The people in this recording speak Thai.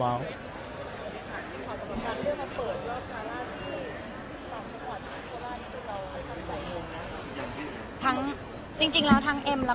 ทั้งเรื่องมาเปิดรอบนาลาที่๒ประวัติที่ว่าราชินทรีย์เรามาทำใจมุมนะครับ